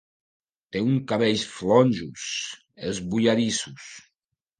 Té uns cabells flonjos, esbulladissos.